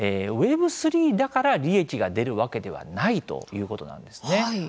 Ｗｅｂ３だから利益が出るわけではないということなんですね。